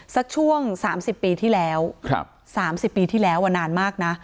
สักช่วง๓๐ปีที่แล้ว๓๐ปีที่แล้วนานมากนะ